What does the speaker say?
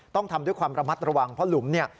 ต้องทำด้วยความระมัดระวังเพราะหลุมเนี่ย